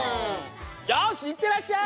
よしいってらっしゃい！